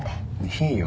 いいよ。